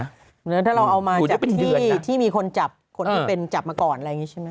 อยู่ได้เป็นเดือนนะถ้าเราเอามาจากที่ที่มีคนจับคนเป็นจับมาก่อนอะไรอย่างงี้ใช่ไหม